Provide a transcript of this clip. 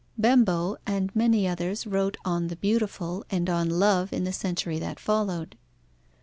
Bembo and many others wrote on the Beautiful and on Love in the century that followed.